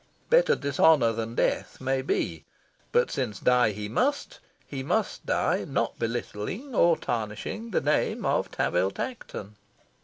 Better dishonour than death, maybe. But, since die he must, he must die not belittling or tarnishing the name of Tanville Tankerton.